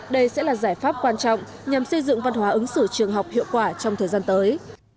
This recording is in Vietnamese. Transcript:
đây sẽ là giải pháp quan trọng nhằm xây dựng văn hóa ứng xử trường học hiệu quả trong thời gian tới